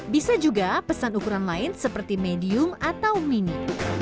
bisa juga pesan ukuran lain seperti medium atau mini